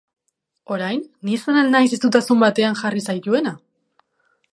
Orain, ni izan al naiz estutasun batean jarri zaituena?